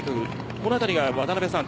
この辺りが渡辺さん